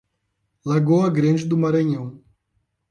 Lagoa Grande do Maranhão